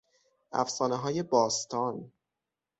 افسانههای باستان